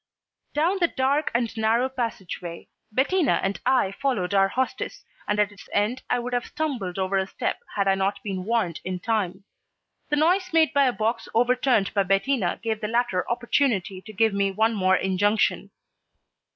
Down the dark and narrow passageway Bettina and I followed our hostess, and at its end I would have stumbled over a step had I not been warned in time. The noise made by a box overturned by Bettina gave the latter opportunity to give me one more injunction.